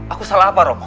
aku salah apa romo